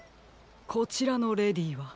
こちらのレディーは？